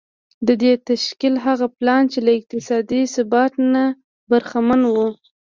د دې تشکيل هغه پلان چې له اقتصادي ثباته برخمن و.